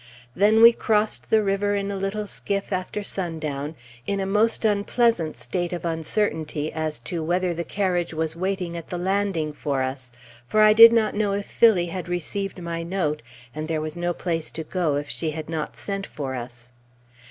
Then we crossed the river in a little skiff after sundown, in a most unpleasant state of uncertainty as to whether the carriage was waiting at the landing for us, for I did not know if Phillie had received my note, and there was no place to go if she had not sent for us.